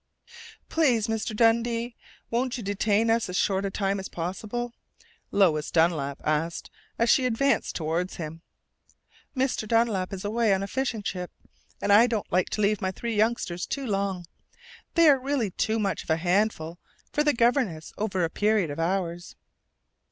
"Please, Mr. Dundee, won't you detain us as short a time as possible?" Lois Dunlap asked, as she advanced toward him. "Mr. Dunlap is away on a fishing trip, and I don't like to leave my three youngsters too long. They are really too much of a handful for the governess, over a period of hours."